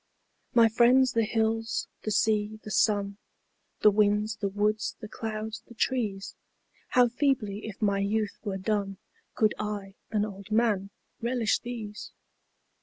My friends the hills, the sea, the sun, The winds, the woods, the clouds, the trees How feebly, if my youth were done, Could I, an old man, relish these